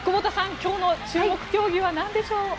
今日の注目競技はなんでしょう？